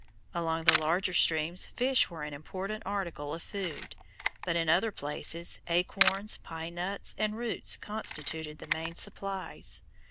Along the larger streams fish was an important article of food, but in other places, acorns, pine nuts, and roots constituted the main supplies.